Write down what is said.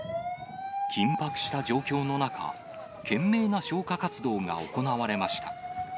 緊迫した状況の中、懸命な消火活動が行われました。